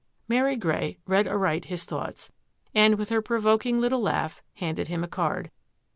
Mary Grey read aright his thoughts, and, with her provoking little laugh, handed him a card.